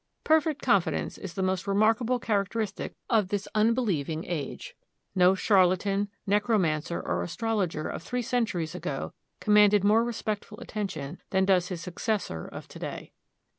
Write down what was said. Perfect confidence is the most remarkable characteristic of this unbelieving age. No charlatan, necromancer, or astrologer of three centuries ago commanded more respectful attention than does his successor of to day.